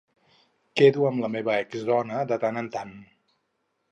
Quedo amb la meva exdona de tant en tant.